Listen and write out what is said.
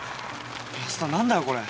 安田何だよこれ？